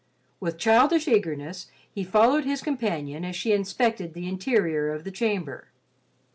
With childish eagerness, he followed his companion as she inspected the interior of the chamber.